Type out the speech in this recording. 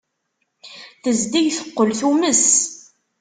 Tezdeg teqqel tumes.